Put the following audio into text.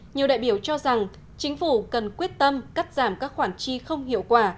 nhiều đại biểu cho rằng chính phủ cần quyết tâm cắt giảm các khoản chi không hiệu quả